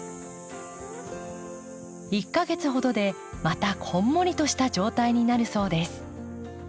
１か月ほどでまたこんもりとした状態になるそうです。